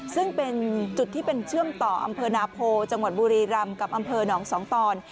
ซึ่งเป็นจุดที่เป็นเชื่อมต่ออำเภอนาโพจังหวัดบุรีรำกับอำเภอหนองสองตอน